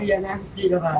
ini yang nanti pak